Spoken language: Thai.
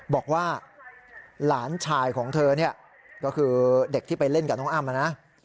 บอกว่าหลานชายของเธอเนี่ยก็คือเด็กที่ไปเล่นกับน้องอ้ำนะ